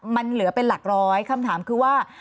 มันเหลือเป็นหลักร้อยคำถามคือว่า